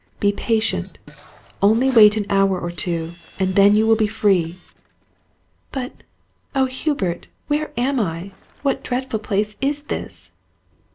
Be patient only wait an hour or two, and then you will be free." "But, O Hubert, where am I? What dreadful place it this?"